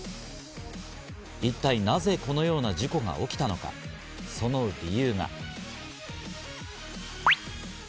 一体なぜこのような事故が起きたのか、その理由が。